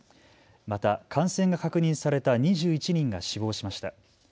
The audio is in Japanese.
また感染が確認された２１人が死亡しました。